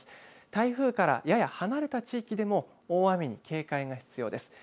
台風からやや離れた地域でも、大雨に警戒が必要です。